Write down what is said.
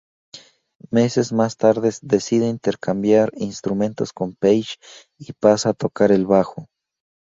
Meses más tarde decide intercambiar instrumentos con Page y pasa a tocar el bajo.